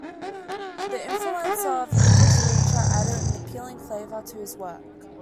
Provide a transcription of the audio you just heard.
The influence of English literature added an appealing flavor to his work.